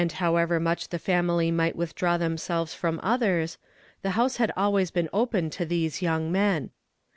» 25 much the family might withdraw themselves fif)m others, the house had always Ixm'M open to tlies(; young men.